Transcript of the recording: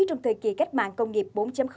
trong thời kỳ cách mạng công nghiệp bốn